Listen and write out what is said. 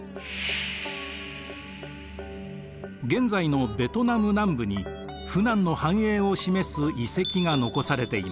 現在のベトナム南部に扶南の繁栄を示す遺跡が残されています。